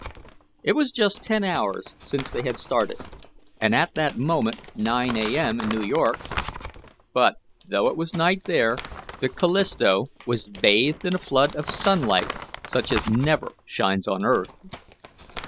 It was just ten hours since they had started, and at that moment 9 A. M. in New York; but, though it was night there, the Callisto was bathed in a flood of sunlight such as never shines on earth.